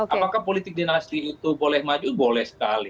apakah politik dinasti itu boleh maju boleh sekali